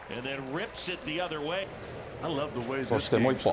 そしてもう一本。